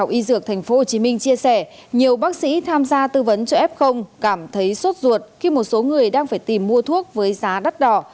y dược tp hcm chia sẻ nhiều bác sĩ tham gia tư vấn cho f cảm thấy sốt ruột khi một số người đang phải tìm mua thuốc với giá đắt đỏ